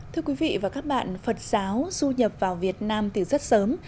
thưa quý vị và các bạn phật giáo du nhập vào việt nam từ rất sớm